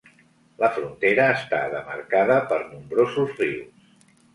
La frontera està demarcada per nombrosos rius.